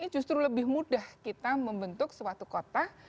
justru lebih mudah kita membentuk suatu kota